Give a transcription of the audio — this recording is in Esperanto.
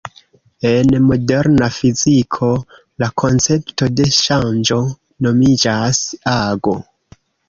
En moderna fiziko, la koncepto de ŝanĝo nomiĝas ago.